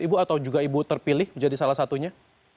ibu atau juga ibu terpilih menjadi salah satunya